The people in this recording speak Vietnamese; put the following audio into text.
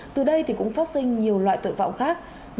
từ đây thì cũng phát sinh nhiều loại tội phạm khác